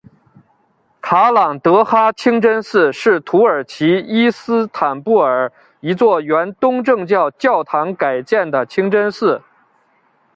卡朗德哈清真寺是土耳其伊斯坦布尔一座原东正教教堂改建的清真寺。